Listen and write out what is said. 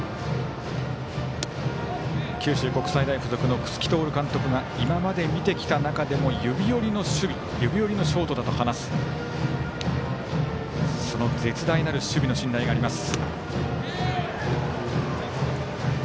九州国際大付属の楠城徹監督が今まで見てきた中でも指折りの守備指折りのショートだと話すその絶大なる守備の信頼があります。